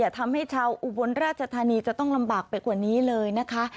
ทำให้ชาวอุบลราชธานีจะต้องลำบากไปกว่านี้เลยนะคะ